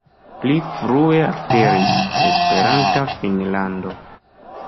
Pli frue aperis "Esperanta Finnlando".